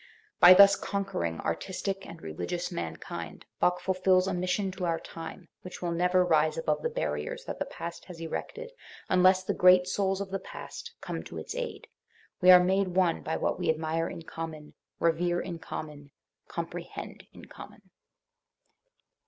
By thus conquering artistic and religious mankind, Bach fulfils a mission to our time, which will never rise above the barriers that the past has erected unless the great souls of the past come to its aid. We are made one by what we admire in common, revere in common, com prehend in common.